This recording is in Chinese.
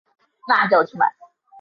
弗勒里涅人口变化图示